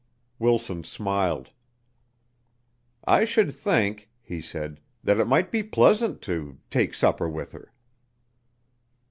Wilson smiled. "I should think," he said, "that it might be pleasant to take supper with her."